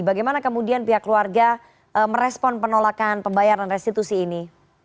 bagaimana kemudian pihak keluarga merespon penolakan pembayaran restitusi ini